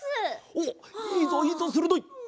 おっいいぞいいぞするどい！